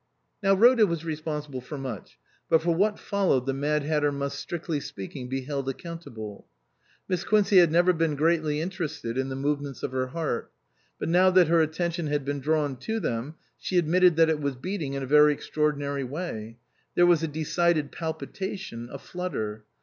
Now Rhoda was responsible for much, but for what followed the Mad Hatter must, strictly speaking, be held accountable. Miss Quincey had never been greatly inter ested in the movements of her heart ; but now that her attention had been drawn to them she admitted that it was beating in a very extra ordinary way ; there was a decided palpitation, a flutter.